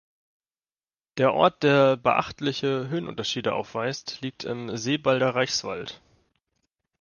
Der Ort, der beachtliche Höhenunterschiede aufweist, liegt im Sebalder Reichswald.